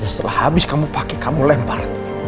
setelah habis kamu pakai kamu lempar